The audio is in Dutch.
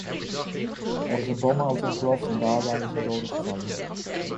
Er is een bomauto ontploft en daarbij is een dode gevallen.